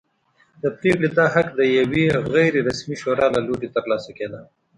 د پرېکړې دا حق د یوې غیر رسمي شورا له لوري ترلاسه کېده.